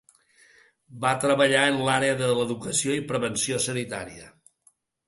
Va treballar en l'àrea de l'educació i prevenció sanitària.